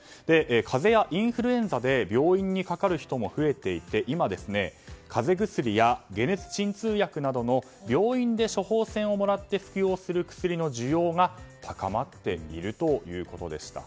風邪やインフルエンザで病院にかかる人も増えていて今、風邪薬や解熱鎮痛薬などの病院で処方箋をもらって服用する薬の需要が高まっているということでした。